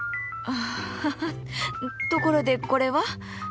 アハハところでこれは？